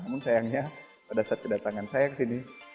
namun sayangnya pada saat kedatangan saya ke sini